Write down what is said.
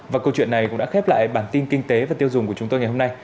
và câu chuyện này cũng đã khép lại bản tin kinh tế và tiêu dùng của chúng tôi ngày hôm nay